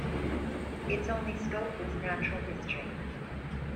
Its only scope was natural history.